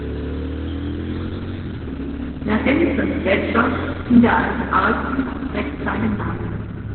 Der Henson-Gletscher in der Antarktis trägt seinen Namen.